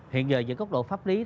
hiện giờ giữa cốc độ pháp lý